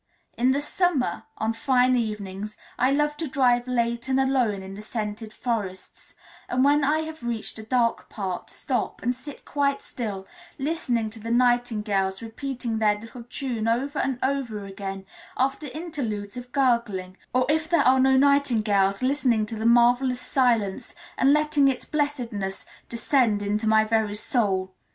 In the summer, on fine evenings, I love to drive late and alone in the scented forests, and when I have reached a dark part stop, and sit quite still, listening to the nightingales repeating their little tune over and over again after interludes of gurgling, or if there are no nightingales, listening to the marvellous silence, and letting its blessedness descend into my very soul.